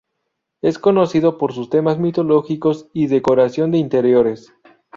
Es conocido por sus temas mitológicos y decoración de interiores.